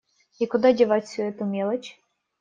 И куда девать всю эту мелочь?